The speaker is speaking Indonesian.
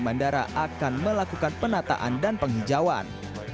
bandara akan melakukan penataan dan penghijauan